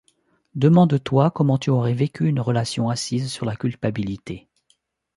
Demande-toi comment tu aurais vécu une relation assise sur la culpabilité.